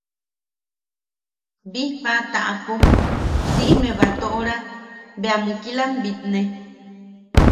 Bijpaa taʼapo siʼime batoʼora bea mukilam bitne.